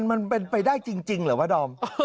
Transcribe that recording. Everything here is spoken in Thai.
มันเป็นไปได้จริงเหรอวะดอม